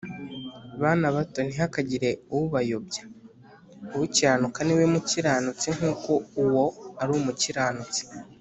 Bana bato, ntihakagire ubayobya. Ukiranuka ni we mukiranutsi nk’uko uwo ari umukiranutsi